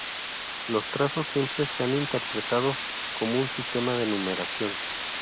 Los trazos simples se han interpretado como un sistema de numeración.